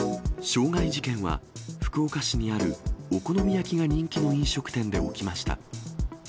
傷害事件は、福岡市にあるお好み焼きが人気の飲食店で起きました。